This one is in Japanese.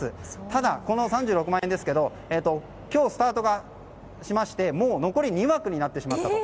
ただ、この３６万円ですが今日スタートしましてもう残り２枠になってしまったと。